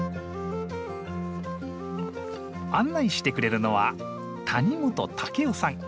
案内してくれるのは谷本夫さん。